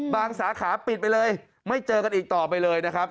สาขาปิดไปเลยไม่เจอกันอีกต่อไปเลยนะครับ